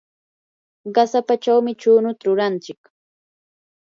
qasapachawmi chunuta ruranchik.